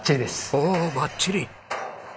おおバッチリ！